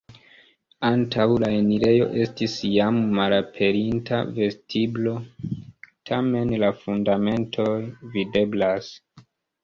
Antaŭ la enirejo estis jam malaperinta vestiblo, tamen la fundamentoj videblas.